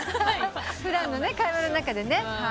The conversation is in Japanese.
普段の会話の中でね。